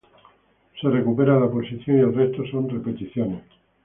Se recupera la posición y el resto son repeticiones.